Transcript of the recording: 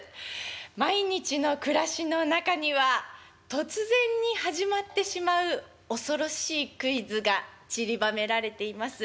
毎日の暮らしの中には突然に始まってしまう恐ろしいクイズがちりばめられています。